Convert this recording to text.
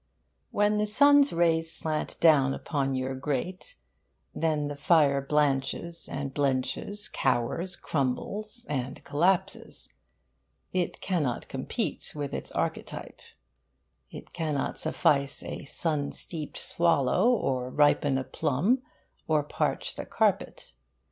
When the sun's rays slant down upon your grate, then the fire blanches and blenches, cowers, crumbles, and collapses. It cannot compete with its archetype. It cannot suffice a sun steeped swallow, or ripen a plum, or parch the carpet.